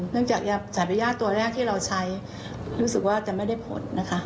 เนื่องจากยาถ่ายพระญาติตัวแรกที่เราใช้รู้สึกว่าจะไม่ได้ผลนะคะ